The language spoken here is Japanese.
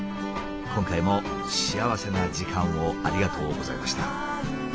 今回も幸せな時間をありがとうございました。